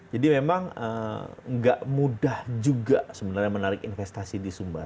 jadi memang nggak mudah juga sebenarnya menarik investasi di sumber